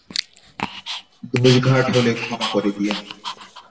দোষঘাট হলে ক্ষমা করে দিয়েন।